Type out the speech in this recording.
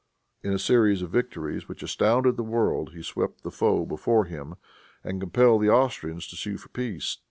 In a series of victories which astounded the world he swept the foe before him, and compelled the Austrians to sue for peace.